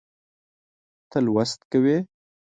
ته لوست کوې